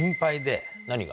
何が？